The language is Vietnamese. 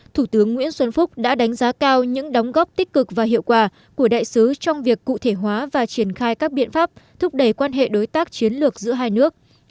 thủ tướng nguyễn xuân phúc đã đánh giá cao những đóng góp tích cực và hiệu quả của đại sứ trong việc cụ thể hóa và triển khai các biện pháp thúc đẩy quan hệ đối tác chiến lược giữa hai nước